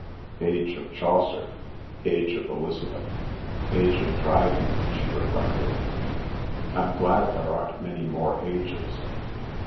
"Age of Chaucer; Age of Elizabeth; Age of Dryden," she reflected; "I'm glad there aren't many more ages.